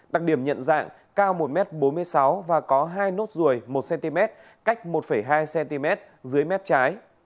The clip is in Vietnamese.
đặc điểm nhận dạng cao một m bốn mươi sáu và có hai nốt ruồi một cm cách một hai cm dưới mép trái